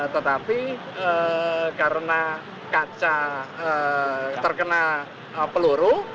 tetapi karena kaca terkena peluru